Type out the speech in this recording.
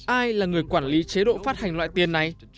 ai là người quản lý chế độ phát hành loại tiền này